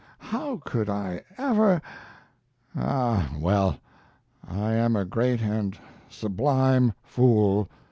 How could I ever Ah, well, I am a great and sublime fool.